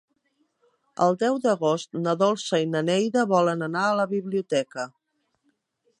El deu d'agost na Dolça i na Neida volen anar a la biblioteca.